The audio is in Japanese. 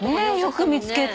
よく見つけて。